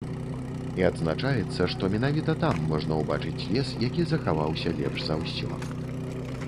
І адзначаецца, што менавіта там можна ўбачыць лес, які захаваўся лепш за ўсё.